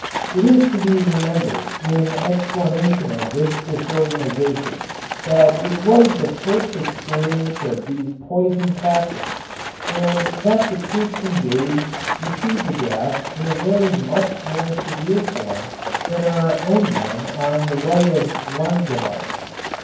It is to be remembered in explanation of this disorganization that it was the first experience of these poison tactics, and that the troops engaged received the gas in a very much more severe form than our own men on the right of Langemarck.